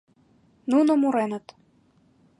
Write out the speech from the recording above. Нуно муреныт: